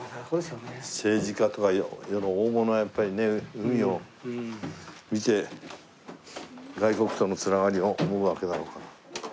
政治家とか世の大物はやっぱりね海を見て外国との繋がりを思うわけだろうから。